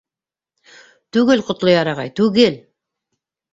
— Түгел, Ҡотлояр ағай, түгел!